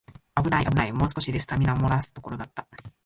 あぶないあぶない、もう少しでスタミナもらすところだった